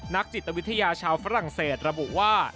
จิตวิทยาชาวฝรั่งเศสระบุว่า